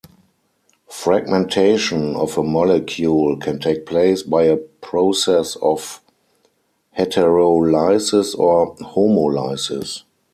Fragmentation of a molecule can take place by a process of heterolysis or homolysis.